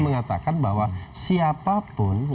mengatakan bahwa siapapun